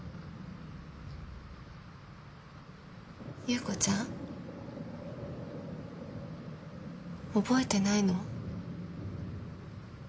侑子ちゃん？覚えてないの？